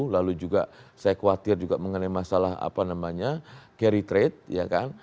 lalu juga saya khawatir juga mengenai masalah apa namanya carry trade ya kan